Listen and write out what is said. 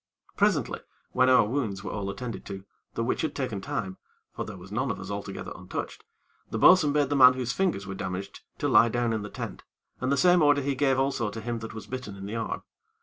Presently, when our wounds were all attended to, the which had taken time, for there was none of us altogether untouched, the bo'sun bade the man whose fingers were damaged, to lie down in the tent, and the same order he gave also to him that was bitten in the arm.